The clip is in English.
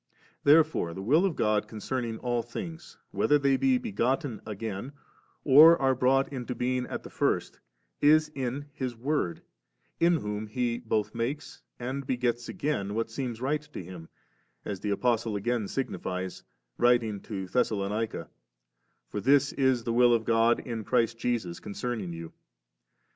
Therefore the Will of God concerning all things, whether they be begotten again or are brought into being at the first, is in His Word, in whom He both makes and begets again what seems right to Him ; as the Apostle 5 again signifies, writing to Thessalonica ; *for this is the will of God in Christ Jesus concerning you.